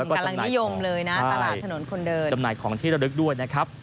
กำลังนิยมเลยนะตลาดถนนคนเดินจำหน่ายของที่ระลึกด้วยนะครับ